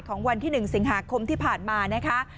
วันที่๑สิงหาคมที่ผ่านมานะคะ